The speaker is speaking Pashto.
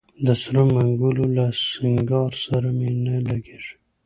د سرو منګولو له سینګار سره مي نه لګیږي